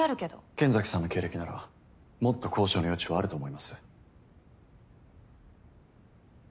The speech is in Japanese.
剣崎さんの経歴ならもっと交渉の余地はあると思います。